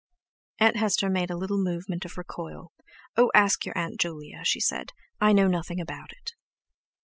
Aunt Hester made a little movement of recoil: "Oh, ask your Aunt Julia!" she said; "I know nothing about it."